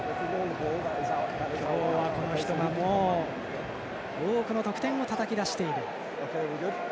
今日はこの人が多くの得点をたたき出している。